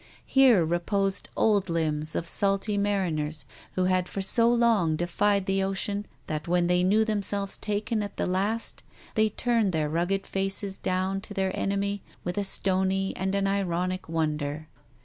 Here reposed old limbs of salty mariners, who had for so long defied the ocean that when they knew themselves taken at the last, they turned their rugged faces down to their enemy with a stony and an ironic wonder.